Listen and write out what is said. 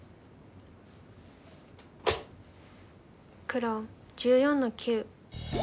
黒１４の九。